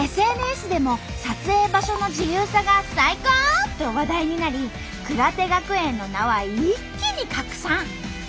ＳＮＳでも撮影場所の自由さが最高！と話題になり「くらて学園」の名は一気に拡散！